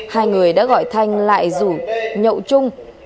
hai người đã gọi thanh lại rủ nhậu chung